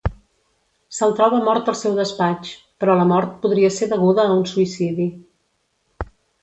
Se’l troba mort al seu despatx, però la mort podria ser deguda a un suïcidi.